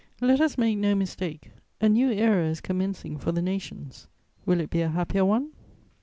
"Let us make no mistake; a new era is commencing for the nations; will it be a happier one?